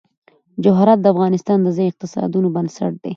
جواهرات د افغانستان د ځایي اقتصادونو بنسټ دی.